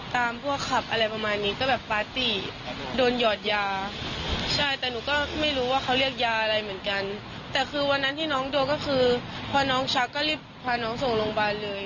แต่คือวันนั้นที่น้องดูก็คือพอน้องชักก็รีบพาน้องส่งโรงพยาบาลเลย